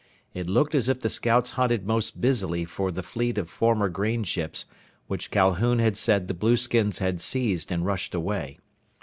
It looked as if the scouts hunted most busily for the fleet of former grain ships which Calhoun had said the blueskins had seized and rushed away.